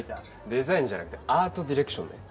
デザインじゃなくてアートディレクションね。